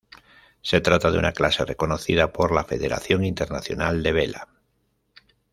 Se trata de una clase reconocida por la Federación Internacional de Vela.